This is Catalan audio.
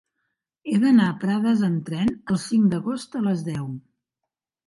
He d'anar a Prades amb tren el cinc d'agost a les deu.